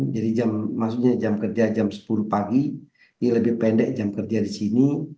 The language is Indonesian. jadi maksudnya jam kerja jam sepuluh pagi lebih pendek jam kerja di sini